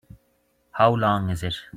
How long is it?